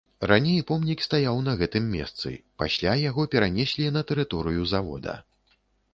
Раней помнік стаяў на гэтым месцы, пасля яго перанеслі на тэрыторыю завода.